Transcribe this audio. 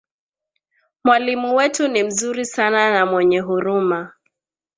mwalimu wetu ni mzuri sana na mwenye huruma